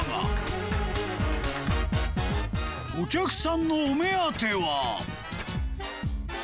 お客さんのお目当ては